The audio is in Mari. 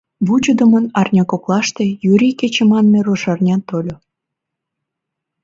Вучыдымын арня коклаште Йӱри кече манме рушарня тольо.